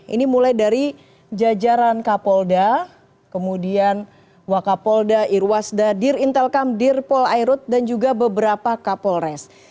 ini mulai dari jajaran kapolda kemudian wakapolda irwasda dir intelkam dir polairut dan juga beberapa kapolres